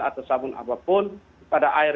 atau sabun apapun pada air